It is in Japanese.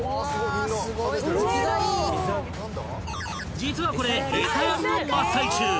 ［実はこれエサやりの真っ最中］